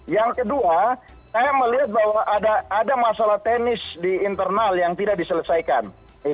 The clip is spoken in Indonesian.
yang kedua saya melihat bahwa ada masalah teknis di internal yang tidak diselesaikan